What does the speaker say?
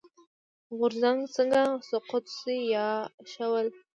غورځنګونه څنګه سقوط شي یا شول.